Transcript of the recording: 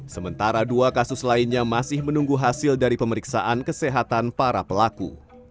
sementara dua kasus lainnya masih menunggu hasil dari pemeriksaan kesehatan para pelaku